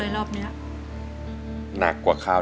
แล้วตอนนี้พี่พากลับไปในสามีออกจากโรงพยาบาลแล้วแล้วตอนนี้จะมาถ่ายรายการ